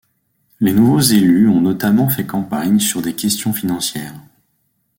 Les nouveaux élus ont notamment fait campagne sur des questions financières.